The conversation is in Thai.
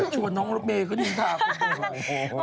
โสวนน้องนุกเปก็มินทาคนหมดเลยโอ๊ยโอ้โฮไม่ถึงแล้ว